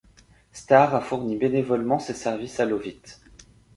Starr a fourni bénévolement ses services à Lovitt.